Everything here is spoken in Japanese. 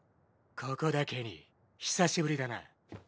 ここだケニー久しぶりだな。